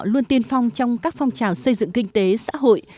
luôn tiên phong trong các phong trào xây dựng kinh tế xã hội